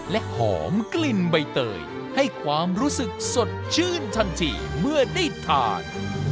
และหอมกลิ่นใบเตยให้ความรู้สึกสดชื่นทันทีเมื่อได้ทาน